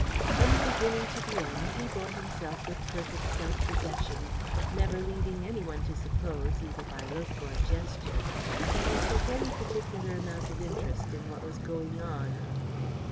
From the beginning to the end he bore himself with perfect self possession, never leading any one to suppose, either by look or gesture, that he took any particular amount of interest in what was going on.